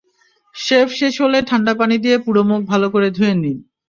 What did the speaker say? Shave শেষ হলে ঠান্ডা পানি দিয়ে পুরো মুখ ভালো করে ধুয়ে নিন।